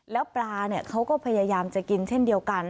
แล้วปลาเขาก็พยายามจะกินเช่นเดียวกัน